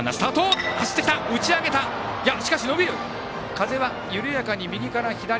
風は緩やかに右から左。